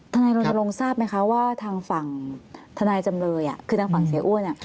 นายรณรงค์ทราบไหมคะว่าทางฝั่งทนายจำเลยคือทางฝั่งเสียอ้วน